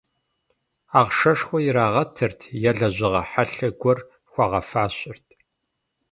Ахъшэшхуэ ирагъэтырт е лэжьыгъэ хьэлъэ гуэр хуагъэфащэрт.